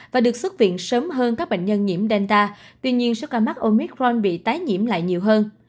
và được xuất viện sớm hơn các bệnh nhân nhiễm delta tuy nhiên số ca mắc omicron bị tái nhiễm lại nhiều hơn